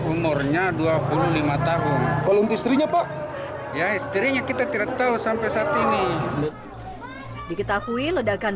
umurnya dua puluh lima tahun kolom istrinya pak ya istrinya kita tidak tahu sampai saat ini diketahui ledakan